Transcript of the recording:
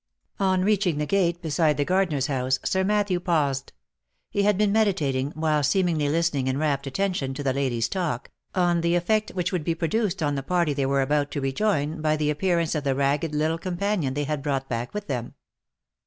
On reaching the gate beside the gardener's house, Sir Matthew paused. He had been meditating, while seemingly listening in rapt attention to the lady's talk, on the effect which would be produced on the party they were about to rejoin, by the appearance of the ragged little companion they had brought back with them.